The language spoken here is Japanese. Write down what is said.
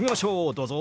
どうぞ。